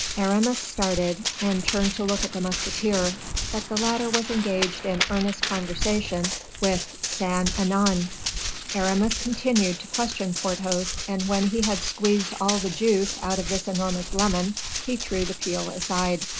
Aramis started, and turned to look at the musketeer, but the latter was engaged in earnest conversation with Saint Aignan. Aramis continued to question Porthos, and when he had squeezed all the juice out of this enormous lemon, he threw the peel aside.